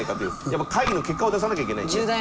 やっぱ会議の結果を出さなきゃいけないんでね。